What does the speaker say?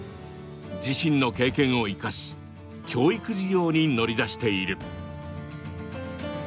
自身の経験を生かし教育事業に乗り出している。